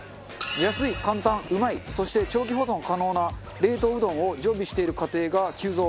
安い簡単うまいそして長期保存可能な冷凍うどんを常備している家庭が急増。